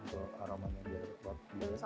daun salam masuk